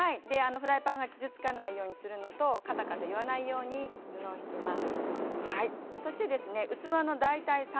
フライパンが傷つかないようにするのとカタカタいわないように布を敷きます。